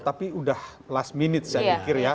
tapi sudah last minute saya pikir ya